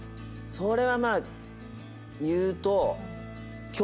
それはまあ言うと。